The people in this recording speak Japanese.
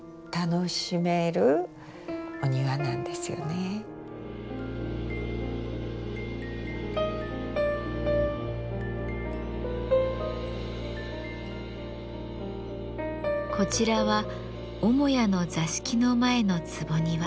その松がこちらは主屋の座敷の前の坪庭。